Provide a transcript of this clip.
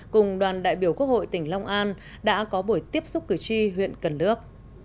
cùng đoàn đại biểu quốc hội tỉnh long an đã có buổi tiếp xúc cử tri huyện cần đước